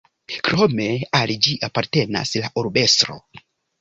Krome al ĝi apartenas la urbestro.